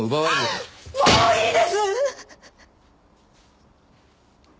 もういいです！